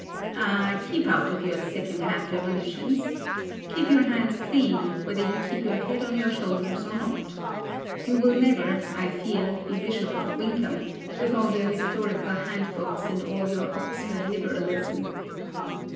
Ah, keep out of your second hand revolutions. Keep your hands clean, whether you keep your head on your shoulders or not. You will never, I fear, be Bishop of Winkum, with all your historical handbooks and all your Oxford Liberalism.